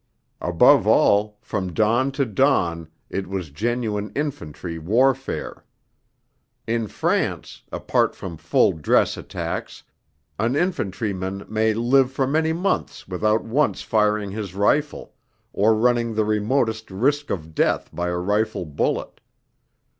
Above all, from dawn to dawn it was genuine infantry warfare. In France, apart from full dress attacks, an infantryman may live for many months without once firing his rifle, or running the remotest risk of death by a rifle bullet.